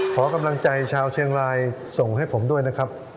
ขอกำลังใจชาวเชียงรายส่งให้ผมด้วยนะครับ